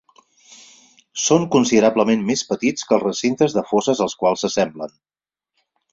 Són considerablement més petits que els recintes de fosses als quals s'assemblen.